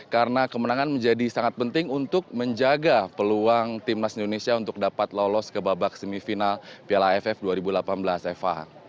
karena kemenangan menjadi sangat penting untuk menjaga peluang timnas indonesia untuk dapat lolos ke babak semifinal piala aff dua ribu delapan belas eva